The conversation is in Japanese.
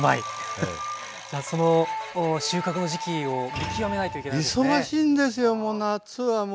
じゃあその収穫の時期を見極めないといけないわけですね。